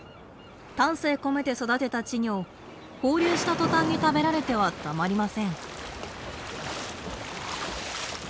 丹精込めて育てた稚魚を放流した途端に食べられてはたまりません。